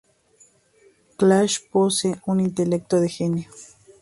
Clash posee un intelecto de genio.